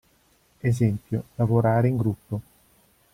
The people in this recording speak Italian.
Esempio: lavorare in gruppo.